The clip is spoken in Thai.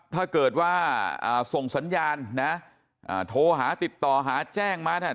ถ้าเกิดว่าส่งสัญญาณนะโทรหาติดต่อหาแจ้งมาเนี่ย